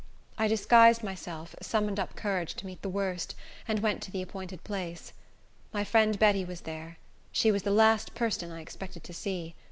I disguised myself, summoned up courage to meet the worst, and went to the appointed place. My friend Betty was there; she was the last person I expected to see.